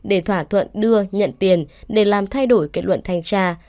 để thỏa thuận đưa nhận tiền để làm thay đổi kết luận thanh tra